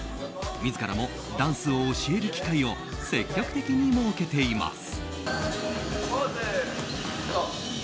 自らもダンスを教える機会を積極的に設けています。